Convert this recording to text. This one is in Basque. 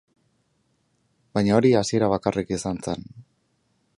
Baina hori hasiera bakarrik izan zen.